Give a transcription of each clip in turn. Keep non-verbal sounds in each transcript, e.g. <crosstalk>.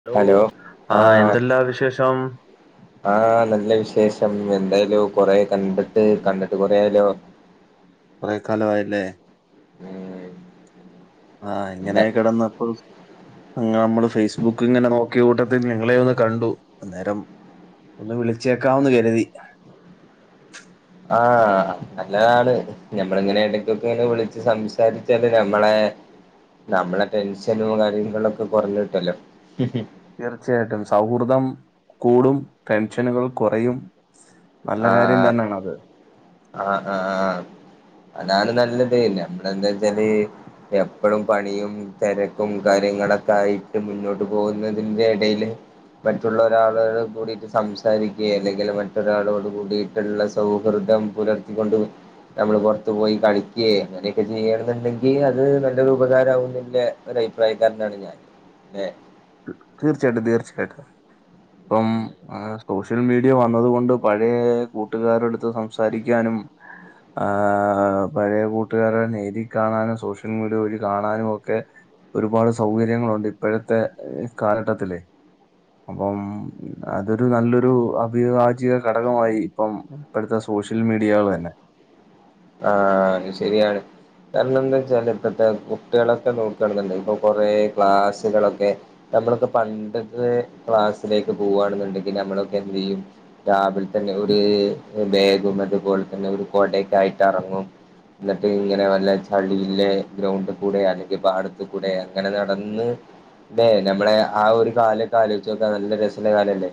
Hello ആ എന്തല്ലാവിശേഷം ആ നല്ലവിശേഷം എന്താലോ കൊറെകണ്ടിട്ട് കണ്ടിട്ട് കൊറേയായല്ലോ കൊറെക്കാലം ആയല്ലേ <unintelligible> ആ ഇങ്ങനെ എന്താ കെടന്നെപ്പോഴും നമ്മള് ഫേസ്ബുക്കിങ്ങനെ നോക്കിയകൂട്ടത്തിൽ നിങ്ങളേം ഒന്നുകണ്ടു അന്നേരം ഒന്നു വിളിച്ചേക്കാംന്ന് കരുതി ആ നല്ലതാണ് ഞമ്മളിങ്ങനെ എടക്കൊക്കെയൊന്നു വിളിച്ച് സംസാരിച്ചാല് ഞമ്മളെ നമ്മളെ ടെൻഷനും കാര്യങ്ങളൊക്കെ കൊറഞ്ഞുകിട്ടുവല്ലോ തീർച്ചയായിട്ടും സൗഹൃദം കൂടും ടെൻഷനുകൾ കൊറയും. ആഹ് ആഹ് അതാണ് നല്ലത് പിന്നെ ഇവടെ എന്താ വെച്ചാല് എപ്പളും പണിയും തെരക്കും കാര്യങ്ങളൊക്കെ ആയിട്ട് മുന്നോട്ട് പോകുന്നതിന്റെ എടയില് മറ്റുള്ള ഒരാളോട് കൂടിട്ട് സംസാരിക്കുക അല്ലെങ്കിൽ മറ്റൊരാളോടി കൂടിട്ടുള്ള സൗഹൃദം പുലർത്തിക്കൊണ്ട് നമ്മള് പുറത്തു പോയി കളിക്കുയെ അങ്ങനെയൊക്കെ ചെയ്യണ എന്നുണ്ടെങ്കിൽ അത് നല്ലൊരു ഉപകാരമാവുന്നില്ലേ ഒരഭിപ്രായക്കാരനാണ് ഞാൻ ഏഹ് തീർച്ചയായിട്ടും തീർച്ചയായിട്ടും ഇപ്പം അല്ലെ ആ സോഷ്യൽ മീഡിയ വന്നത് കൊണ്ട് പഴയ കൂട്ടുകാരടുത്ത് സംസാരിക്കാനും ആ പഴയ കൂട്ടുകാരെ നേരി കാണാനും സോഷ്യൽ മീഡിയ വഴി കാണാനും ഒക്കെ ഒരുപാട് സൗകര്യങ്ങളുണ്ട് ഇപ്പോഴത്തെ കാലഘട്ടത്തില് അപ്പം അതൊരു നല്ലൊരു അഭിഭാജിക ഘടകമായി ഇപ്പം ഇപ്പോഴത്തെ സോഷ്യൽ മീഡിയകള് തന്നെ ആഹ അത് ശരിയാണ്. കാരണം എന്താ വെച്ചാല് ഇപ്പോഴത്തെ കുട്ടികളൊക്കെ നോക്കണെന്നുണ്ട് ഇപ്പൊ കൊറേ ക്ലാസ്സുകളൊക്കെ നമ്മളൊക്കെ പണ്ടത്തെ ക്ലാസ്സിലേക്ക് പോവാണ്ടെന്നുണ്ടെങ്കിൽ നമ്മളൊക്കെ എന്ത് ചെയ്യും രാവിലിൽ തന്നെ ഒരു ബേഗും അതുപോലെ തന്നെ ഒരു കൊടയൊക്ക ആയിട്ട് എറങ്ങും എന്നിട്ട് ഇങ്ങനെ നല്ല ചളിയിലെ ഗ്രൗണ്ടിൽ കൂടെ അല്ലെങ്കിൽ പാടത്ത് കൂടെ അങ്ങനെ നടന്ന് അല്ലെ നമ്മളെ ആ ഒരു കാലൊക്കെ ആലോചിച്ച് നോക്ക് നല്ല രസള്ള കാലല്ലേ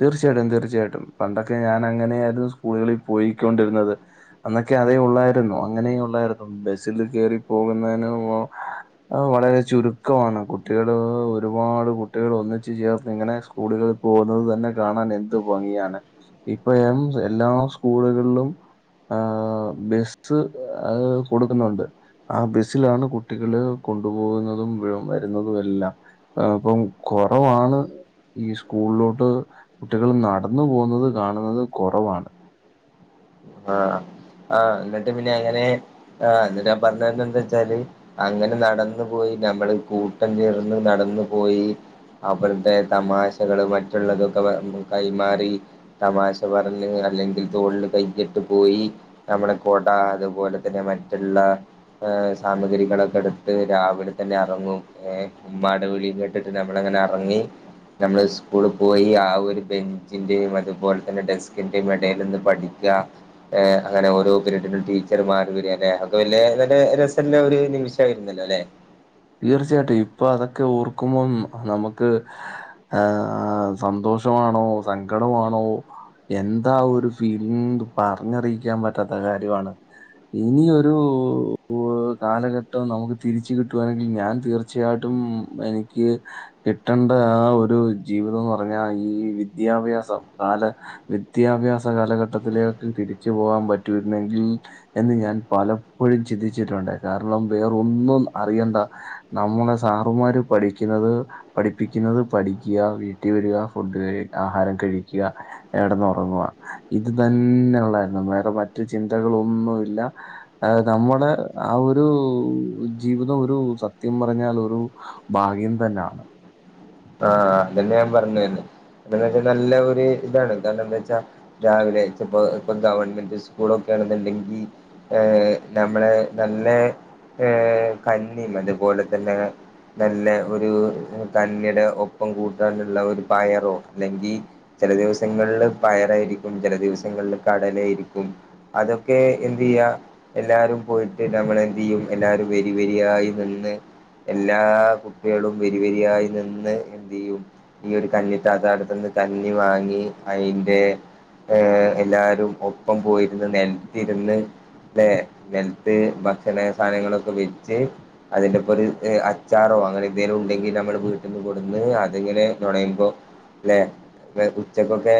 തീർച്ചയായിട്ടും തീർച്ചയായിട്ടും പണ്ടൊക്കെ ഞാൻ അങ്ങനെയ ആയിരുന്നു സ്കൂളുകളിൽ പോയിക്കൊണ്ടിരുന്നത്. അന്നൊക്കെ അതേ ഒള്ളായിരുന്നു അങ്ങനെയെ ഒള്ളായിരുന്നു ബസില് കയറി പോകുന്നേന് അത് വളരെ ചുരുക്കമാണ് കുട്ടികള് ഒരുപാട് കുട്ടികൾ ഒന്നിച്ച് ചേർന്ന് ഇങ്ങനെ സ്കൂളുകൾ പോന്നത് തന്നെ കാണാൻ എന്ത് ഭംഗിയാണ് ഇപ്പ എം എല്ലാ സ്കൂളുകളിലും ആ ബസ്സ് അത് കൊടുക്കുന്നുണ്ട്. ആ ബസ്സിലാണ് കുട്ടികള് കൊണ്ടു പോകുന്നതും വരുന്നതും എല്ലാം ആ ഇപ്പം കൊറവാണ് ഈ സ്കൂളിലോട്ട് കുട്ടികള് നടന്നു പോകുന്നത് കാണുന്നത് കൊറവാണ്. ആഹ് ആ എന്നിട്ട് പിന്നെ അങ്ങനെ ആ എന്നിട്ടാൻ പറഞ്ഞ എന്താ വെച്ചാല് അങ്ങനെ നടന്നു പോയി ഞമ്മള് കൂട്ടം ചേർന്ന് നടന്ന് പോയി അപ്പഴത്തെ തമാശകള് മറ്റുള്ളതൊക്കെ കൈമാറി തമാശ പറഞ് അല്ലെങ്കിൽ തോളിൽ കൈയിട്ട് ട്ട് പോയി നമ്മുടെ കോട അതുപോലെ തന്നെ മറ്റുള്ള സാമഗ്രികളൊക്കെ എടുത്ത് രാവിലെ തന്നെ എറങ്ങും ഏഹ് ഉമ്മാട വിളിയും കേട്ടിട്ട് നമ്മളങ്ങനെ എറങ്ങി നമ്മള് സ്കൂളിൽ പോയി ആ ഒരു ബെഞ്ചിന്റെയും അതുപോലെ തന്നെ ഡെസ്കിന്റെയും എടയിൽലൊന്ന് പഠി ക്കാം. അങ്ങനെ ഓരോ പിരിഡും ടീച്ചർമാർ വര് അല്ലെ അപ്പൊ വലിയ നല്ല രസ ഒരു നിമിഷമായിരുന്നല്ലോല്ലെ തീർച്ചയായിട്ടും ഇപ്പൊ അതൊക്കെ ഓർക്കുമ്പോം നമുക്ക് ഏ ആഹ് സന്തോഷമാണോ സങ്കടമാണോ എന്താ ഒരു ഫീലിംഗ് പറഞ്ഞറിയിക്കാൻ പറ്റാത്ത കാര്യമാണ്. ഇനിയൊരു കാലഘട്ടം നമുക്ക് തിരിച്ച് കിട്ടു യാണെങ്കിൽ ഞാൻ തീർച്ചയായിട്ടും എനിക്ക് കിട്ടേണ്ട ആ ഒരു ജീവിതംന്ന് പറഞ്ഞാ ഈ വിദ്യാഭ്യാസം കാല വിദ്യാഭ്യാസ കാലഘട്ടത്തിലേക്ക് തിരിച്ചു പോകാൻ പറ്റിരുന്നെങ്കിൽ എന്ന് ഞാൻ പലപ്പോഴും ചിന്തിച്ചിട്ടുണ്ട് കാരണം വേറൊന്നും അറിയണ്ടാ നമ്മളെ സാറുമാര് പഠിക്കുന്നത് പഠിപ്പിക്കുന്നത് പഠിക്കുക വീട്ടിൽ വരിക ഫുഡ് കഴി ആഹാരം കഴിക്ക കെടന്നൊറങ്ങുവാ ഇത് തന്നെ ഒള്ളായിരുന്നു വേറെ മറ്റു ചിന്തകളൊന്നും ഇല്ല അത് നമ്മടെ ആ ഒരു ജീവിതം ഒരു സത്യം പറഞ്ഞാൽ ഒരു ഭാഗ്യം തന്നെയാണ് ആഹ് അതന്നെ ഞാൻ പറഞ്ഞുതന്നെന്ന് വച്ചാ നല്ല ഒരു ഇതാണ് കാരണം എന്താ വെച്ചാ രാവിലെപ്പോ ഇപ്പ ഗവൺമെന്റ് സ്കൂളൊക്കെ ആണെന്നുണ്ടെങ്കിൽ ഏ നമ്മളെ നല്ല ഏർ കന്നിയും അതുപോലെ തന്നെ നല്ല ഒരു കഞ്ഞിയുടെ ഉപ്പും കൂട്ടാനുള്ള ഒരു പയറോ അല്ലെങ്കിൽ ചില ദിവസങ്ങളില് പയറായിരിക്കും ചില ദിവസങ്ങളില് കടലയായിരിക്കും അതൊക്കെ എന്ത്യ്യാ എല്ലാരും പോയിട്ട് നമ്മളെന്തെയ്യും എല്ലാരും വെരി വെരിയായി നിന്ന് എല്ലാ കുട്ടികളും വെരി വെരിയായി നിന്ന് എന്ത് ചെയ്യുംപിന്നെ ഒരു കഞ്ഞി താത്ത അടുത്ത നിന്ന് കഞ്ഞി വാങ്ങി അയിൻ്റെ ഏ എല്ലാരും ഒപ്പം പോയിരുന്ന് നെൽതിരുന്ന് ഏഹ് നിലത്ത് ഭക്ഷണ സാധനങ്ങളൊക്കെ വെച്ച് അതിന്റെ ഇപ്പൊ ഒരു അച്ചാറോ അങ്ങനെ എന്തെലും ഉണ്ടെങ്കിൽ നമ്മള് ന്ന് കൊടുന്ന് അതിങ്ങനെ നുണയുമ്പോ ല്ലെ ഉച്ചക്കൊക്കെ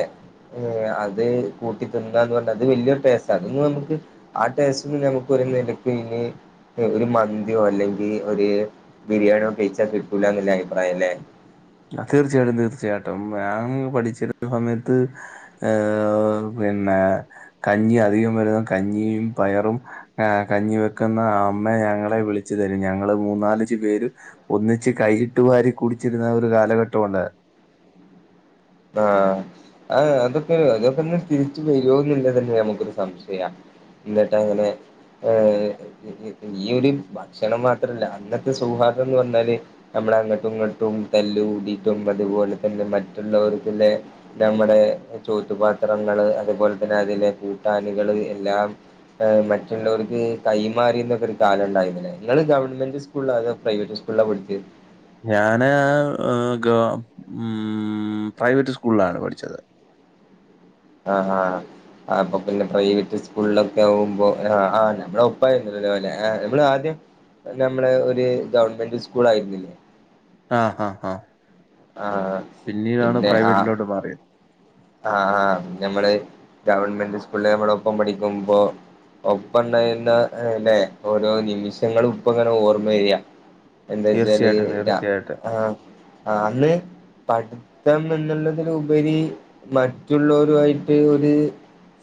ഏ അത് കൂട്ടി തിന്നന്ന് പറഞ്ഞ അത് വലിയൊരു ടേസ്റ്റ് അതൊന്ന് നമുക്ക് ആ ടേസ്റ്റ് <unintelligible> ഒരു മന്തിയോ അല്ലെങ്കി ഒരു ബിരിയാണിയോ കെയ്ച്ചാ കിട്ടൂലന്നല്ല അഭിപ്രായം അല്ലേ തീർച്ചയായിട്ടും തീർച്ചയായിട്ടും ഞാൻ പഠിച്ചിരുന്ന സമയത്ത് ഏഹ് പിന്നെ കഞ്ഞി അധികം വരുന്ന കഞ്ഞിയും പയറും ആഹ്‌ കഞ്ഞിവെക്കുന്ന അമ്മ ഞങ്ങളെ വിളിച്ചു തരും ഞങ്ങള് മൂന്നാലപേര് ഒന്നിച്ച് കൈയിട്ടു വാരി കുടിച്ചിരുന്ന ഒരു കാലഘട്ടമുണ്ടായിരുന്നു ആഹ് ആ അതൊക്കെ അതൊക്കെ ഒരു തിരിച്ചു വരുമോന്നില്ല തന്നെ നമുക്കൊരു സംശയം എന്നിട്ട് അങ്ങനെ ഏഹ് ഈ ഒരു ഭക്ഷണം മാത്രല്ല അന്നത്തെ സൗഹാർദം എന്ന് പറഞ്ഞാല് നമ്മള അങ്ങോട്ടും ഇങ്ങോട്ടും തല്ല് കൂടിട്ടും അതുപോലെ തന്നെ മറ്റുള്ളവർത്തിലെ നമ്മുടെ ചോറ്റുപാത്രങ്ങള് അതുപോലെ തന്നെ അതിലെ കൂട്ടാനികള് എല്ലാം മറ്റുള്ളവർക്ക് കൈമാറിന്നൊക്കൊരു കാലം ഉണ്ടായിരുന്നില്ലെ നിങ്ങള് ഗവൺമെന്റ് സ് സ്കൂള്ലാകെ പ്രൈവറ്റ്സ്കൂള്ലാ പഠിച്ചേ ഞാന് ഗ ഉം പ്രൈവറ്റ് സ്കൂളിലാണ് പഠിച്ചത് ആഹ് ആഹ് ആ അപ്പൊ പിന്നെ പ്രൈവറ്റ് സ്കൂളിലൊക്കെ ആകുമ്പോ ആ ആ നമ്മടെ ഒപ്പായിന്നല്ലല്ല നമ്മള് ആദ്യം അത് നമ്മള് ഒരു ഗവൺമെന്റ് സ്കൂൾ ആയിരുന്നില്ലേ ആഹ് ആഹ് ആ ആഹ് പിന്നീടാണ് പിന്നെ ആഹ് പ്രൈവറ്റിലോട്ട് മാറിയത് ആഹ് ആഹ് ഞമ്മള് ഗവൺമെന്റ് സ്കൂളില് നമ്മൾ ഒപ്പം പഠിക്കുമ്പോ ഒപ്പ ഉണ്ടായിരുന്ന ലെ ഓരോ നിമിഷങ്ങളും ഇപ്പ ഇങ്ങനെ ഓർമ്മ വരിയാ എന്താ വച്ചാല് തീർച്ചയായിട്ടും ര തീർച്ചയായിട്ടും. ആഹ് ആ അന്ന് പഠിത്തം എന്നുള്ളതിലുപരി മറ്റുള്ളോരു ആയിട്ട് ഒര്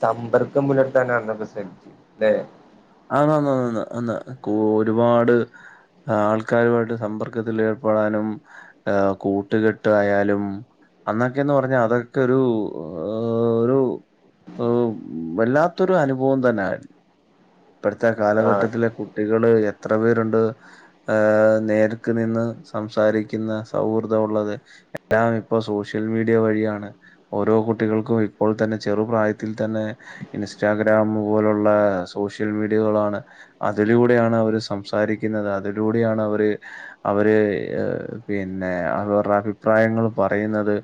സമ്പർക്കം പുലർത്താനാെന്നൊക്കെ ശ്രദ്ധിച്ച അല്ലെ ആന്ന് ആന്ന് ആന്ന് കൂ ഒരുപാട് ആൾക്കാരുമായിട്ട് സമ്പർക്കത്തിൽ ഏർപ്പെടാനും ആ കൂട്ടുകെട്ടായാലും അന്നൊക്കെയന്ന് പറഞ്ഞാൽ അതൊക്കെ ഒരു ഒരു വല്ലാത്തൊരു അനുഭവം തന്നെയിരുന്നു ഇപ്പഴത്തെ ആഹ് കാലഘട്ടത്തിലെ കുട്ടികള് എത്ര പേരുണ്ട് ഏഹ് നേർക്ക് നിന്ന് സംസാരിക്കുന്ന സൗഹൃദം ഉള്ളത് എല്ലാം ഇപ്പൊ സോഷ്യൽ മീഡിയ വഴിയാണ് ഓരോ കുട്ടികൾക്കും ഇപ്പോൾ തന്നെ ചെറുപ്രായത്തിൽ തന്നെ ഇൻസ്റ്റാഗ്രാാം പോലുള്ള സോഷ്യൽ മീഡിയകളാണ് അതിലൂടെയാണ് അവര് സംസാരിക്കുന്നത് അതിലൂടെയാണ് അവര് അവര് ഏഹ് പിന്നെ അവരുടെ അഭിപ്രായങ്ങൾ പറയുന്നത്.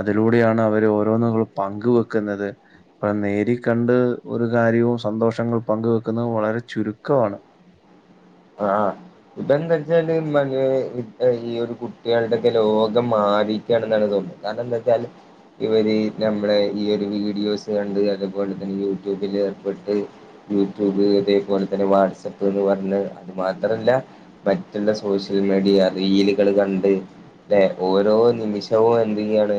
അതിലൂടെയാണ് അവര് ഓരോന്നും അവ് പങ്ക് വെക്കുന്നത്. പ്പ നേരി കണ്ട് ഒരു കാര്യവും സന്തോഷങ്ങൾ പങ്ക് വെക്ക്ന്നത് വളരെ ചുരുക്കവാണ്. അഹ് ആ. ഇപ്പ എന്താച്ചാല് മന് ഹ് ഈ ഒരു കുട്ടിയാളുടെക്കെ ലോകം മാറി. ട്ട്യാണ്ന്നാണ് തോന്നുന്നെ കാരണം എന്താച്ചാല്. ഇവര് നമ്ളെ ഈ ഒരു വീഡിയോസ് കണ്ട് അതുപോലെ തന്നെ യൂട്യൂബിൽ ഏർപ്പെട്ട്. യൂട്യൂബ് അതേപോലെതന്നെ വാട്സപ്പ് ന്ന് പറഞ്ഞഹ്. അത് മാത്രല്ല മറ്റുള്ള സോഷ്യൽ മീഡിയ റീലുകൾ കണ്ട്. ല്ലെ ഓരോ നിമിഷവും എന്തെയ്യാണ്.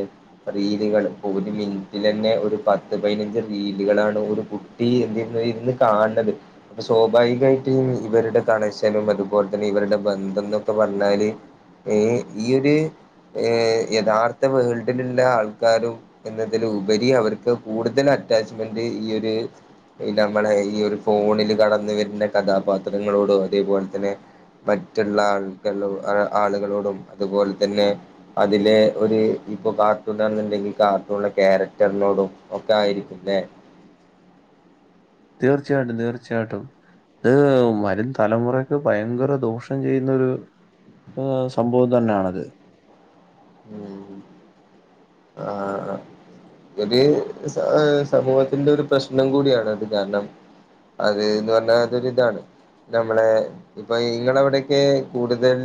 റീലുകൾ ഇപ്പൊ ഒരു മിന്റ്റിലെന്നെ ഒരു പത്ത് പയ്നഞ്ച് റീലുകളാണ് ഒര് കു ഈ <unintelligible> ഇര്ന്ന് കാണ്ണത് അപ്പൊ സ്വാഭാവികായിട്ട് ഇവരുടെ. കണഷനും അതുപോൽ തന്നെ ഇവരുടെ ബന്ധംന്നൊക്കെ പർഞ്ഞാല് ഈ ഈയൊര്. ഏഹ് യഥാർത്ഥ വേൾഡിൽള്ള ആൾക്കാരും. എന്നതിലുപരി അവർക്ക് കൂടുതൽ അറ്റാച്ച്മെന്റ് ഈ ഒര്. ഇ നമ്മളെ ഈ ഒരു ഫോണില് കടന്ന്വര്ന്ന കഥാപാത്രങ്ങളോടു അതേപോൽ തന്നെ. മറ്റുള്ള ആൾക ആളുകളോടും അതുപോൽ തന്നെ. അതില് ഒര് ഇപ്പൊ കാർട്ടൂണാന്ന്ണ്ടെങ്കി കാർട്ടൂൺലെ ക്യാരക്ടർനോടും ഒക്കെ ആയിരിക്കും ലെ. തീർച്ചയായ്ട്ടും തീർച്ചയായ്ട്ടും. ഇത് വരും തലമുറക്ക് ഭയങ്കര ദോഷം ചെയ്യുന്നൊര്. ഹ് സംഭവം തന്നാണത്. ഉം. അആ ആഹ്. ഒര് സമൂഹത്തിന്റെ ഒരു പ്രശ്നം കൂടിയാണ് അത് കാരണം. അത്ന്ന് പർഞ്ഞാ അതൊര്താണ്. നമ്മളെ ഇപ്പൊ ഇങ്ങള അവിടൊക്കെ കൂടുതൽ.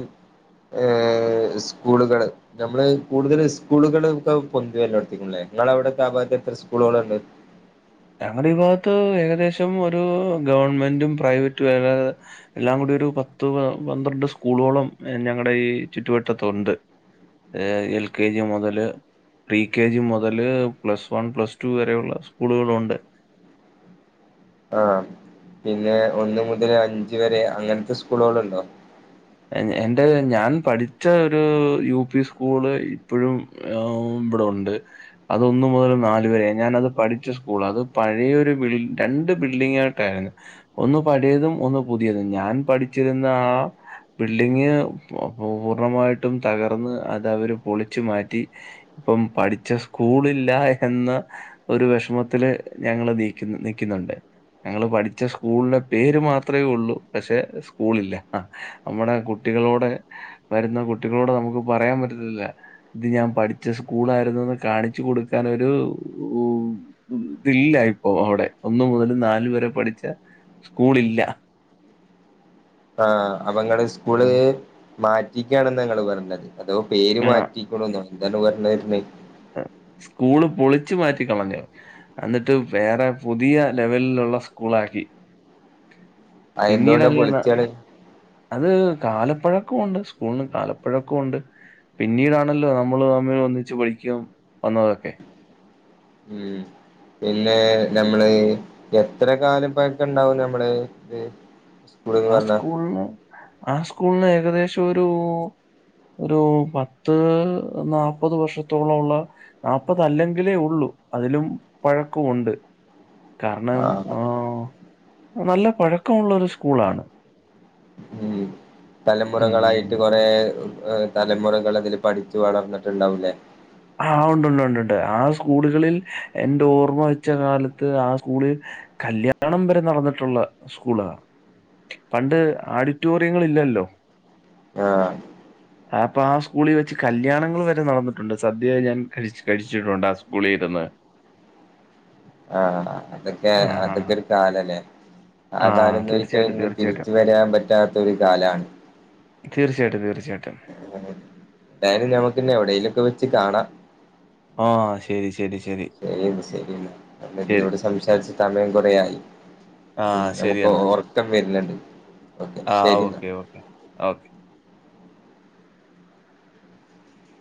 ഏഹ് സ്കൂളുകള് നമ്മള് കൂടുതൽ സ്കൂളുകള്. ക്കെ പൊന്തി വര്ല്ലൊട്ത്തിക്ക്ണ്ലെ ഇങ്ങളഉടെക്കെ ആബാത്ത് എത്ര സ്കൂളുകൾണ്ട്. ഞങ്ങളെ ഈ ഭാഗത്ത് ഏകദേശം ഒരു ഗവൺമെന്റും പ്രൈവറ്റും എല്ലാ. എല്ലാം കൂടി ഒരു പത്ത് പ പന്ത്രണ്ട് സ്കൂളോളം ഞങ്ങടെ ഈ ചുറ്റുവട്ടത്തുണ്ട്. ഏ എൽ കെ ജി മുതല്. പ്രി കെ ജി മുതല് പ്ലസ് വൺ പ്ലസ് ടു വരെയുള്ള സ്കൂളുകളുണ്ട്. <unintelligible> ആഹ് പിന്നെ ഒന്ന് മുതൽ അഞ്ച് വരെ അങ്ങൻത്തെ സ്കൂൾകൾണ്ടോ? എ എന്റെഹ് ഞാൻ പഠിച്ച ഒരു യു പി സ്കൂള് ഇപ്പൊഴും. ആഉം ബടെഉണ്ട്. അതൊന്നു മുതൽ നാല് വരെ ഞാനത് പഠിച്ച സ്കൂളാ അത് പഴെയൊരു ബിൽ രണ്ട് ബിൽഡിങ്ങായ്ട്ടാര്ന്ന്. ഒന്ന് പഴയതും ഒന്ന് പുതിയതും ഞാൻ പഠിച്ചിരുന്ന ആ. ബിൽഡിങ് പു പൂർണ്ണമായിട്ടും തകർന്ന് അതഅവര് പൊളിച്ചു മാറ്റി. ഇപ്പം പഠിച്ച സ്കൂളില്ല എന്ന. ഒരു വെഷമത്തില് ഞങ്ങള് നീക്ക് നിക്കുന്നുണ്ട്. ഞങ്ങള് പഠിച്ച സ്കൂൾളെ പേര് മാത്രമേ ഉള്ളൂ പക്ഷെ സ്കൂളില്ല അഹ്. നമ്മുടെ കുട്ടികളോടെ ഹ് വരുന്ന കുട്ടികളോട് നമുക്ക് പറയാൻ പറ്റത്തില്ല. ഇത് ഞാൻ പഠിച്ച സ്കൂളായിരുന്നുന്ന് കാണിച്ചു കൊടുക്കാനൊരു ഉഹ്. ഇതില്ല ഇപ്പൊ അവ്ടെ ഒന്നു മുതൽ നാല് വരെ പഠിച്ച സ്കൂളില്ല. ആ അപ്പൊ ങ്ങള് സ്കൂള് ഉം. മാറ്റിക്കാണെന്നാ ഇങ്ങള് പർഞ്ഞത്. അതൊ പേര് ആഹ്. മാറ്റിക്ക്ണ്ന്നോ എന്താണ് പറഞ്ഞര്ന്നേ. സ്കൂള് പൊളിച്ചു മാറ്റിക്കളഞ്ഞ്. എന്നിട്ട് വേറെ പുതിയ ലെവൽലുള്ള സ്കൂളാക്കി. അതെന്തുകൊണ്ടാ പിന്നീടഅഹ്യെന്നാ. പൊളിച്ചാണ് അത് കാലപ്പഴക്കുണ്ട് സ്കൂളിന് കാലപ്പഴക്കുണ്ട് പിന്നീടാണല്ലോ നമ്മൾ തമ്മിൽ ഒന്നിച്ച് പഠിക്കും വന്നതൊക്കെ ഉം പിന്നെ നമ്മള് എത്ര കാലം പഴക്ക ണ്ടാവും നമ്മള് ഇത് സ്കൂള്ന്ന് ആ പറഞ്ഞാ സ്കൂൾന്ന് ആ സ്കൂളന് ഏകദേശം ഒരു ഒരു പത്ത് നാല്പത് വർഷത്തോള ഉള്ള നാല്പത് അല്ലെങ്കിലേ ഉള്ളൂ അതിലും പഴക്കമുണ്ട് കാരണം ആഹ് ആനല്ല പഴക്കമുള്ളരു സ്കൂളാണ് ഉ തലമുറകളായിട്ട് മ്മ്. കൊറെ തലമുറകൾ അതില് പഠിച്ചു വളർന്നിട്ടുണ്ടാകൂലെ ആ ഉണ്ടു ണ്ടുണ്ട്ണ്ട് ആ സ്കൂളുകളിൽ എന്റെ ഓർമ്മ വെച്ച കാലത്ത് ആ സ്കൂളിൽ കല്യാണം വരെ നടന്നിട്ടുള്ള സ്കൂളാണ് പണ്ട് ആഡിറ്റോറിയങ്ങ ളില്ലല്ലോ ആഹ് അപ്പൊആ സ്കൂളിൽ വെച്ച് കല്യാണങ്ങൾ വരെ നടന്നിട്ടുണ്ട് സദ്യ ഞാൻ ക കഴിച്ചിട്ടുണ്ടാ സ്കൂളിഇരുന്ന് ആഅതൊക്കെ ആഹാ. അതൊക്കെ ഒരു കാലല്ലേ ആ കാലന്നൊരിക്കലുംഇന്ന് തിരിച്ച് വരാൻ പറ്റാത്തൊ രു കാലാണ് തീർച്ചയായിട്ടും തീർച്ചയായിട്ടും അങ്ങനെ നേരല്ല ഞമ്മക്ക് പിന്നെ എ വിടെലുംക്കെ വെച്ച് കാണാം ആശരി ശരി ശരി ശരി ശരി അന്ന ശരി. നമ്മളതിലൂടെ സംസാരിച്ച സമയം കൊറയായി ആശരിയെന്നാ ഉറക്കം വരില്ലണ്ട് ആ ഓക്കെ ഓക്കെ ഓക്കേ